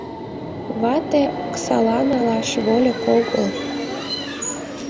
Вате — оксала налаш — вольык огыл!